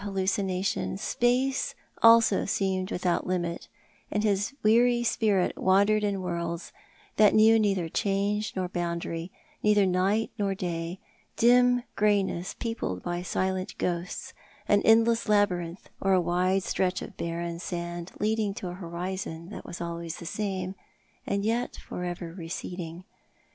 allucination space also seemed without limit, and his weary spirit wandered in worlds that knew neither change nor boundary, neither night nor day — dim greyness, peopled by silent ghosts — an endless labyrinth, or a wide stretch of barren sand leading to a horizon that was always the same, and yet for ever receding.